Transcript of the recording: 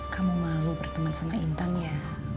kamu mau berteman sama intan ya